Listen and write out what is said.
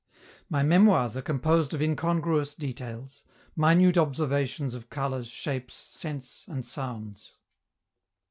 My memoirs are composed of incongruous details, minute observations of colors, shapes, scents, and sounds.